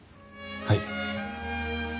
はい。